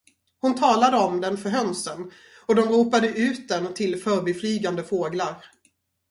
Han talade om den för hönsen, och de ropade ut den till förbiflygande fåglar.